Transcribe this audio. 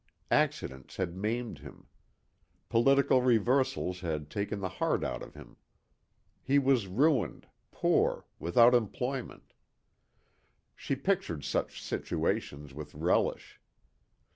Accidents had maimed him. Political reversals had taken the heart out of him. He was ruined, poor, without employment. She pictured such situations with relish.